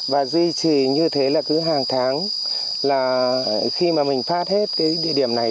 và duy trì như thế là cứ hàng tháng là khi mà mình phát hết cái địa điểm này